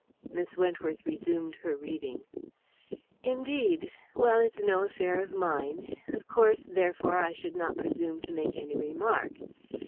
Miss Wentworth resumed her reading. "Indeed! Well, it's no affair of mine. Of course, therefore, I should not presume to make any remark.